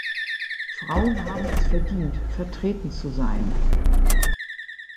Frauen haben es verdient, vertreten zu sein.